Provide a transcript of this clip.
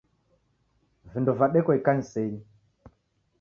Vindo vadekwa ikanisenyi